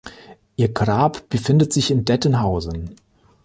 Ihr Grab befindet sich in Dettenhausen.